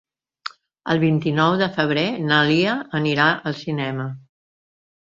El vint-i-nou de febrer na Lia anirà al cinema.